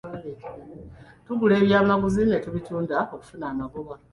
Tugula ebyamaguzi ne tubitunda okufuna amagoba.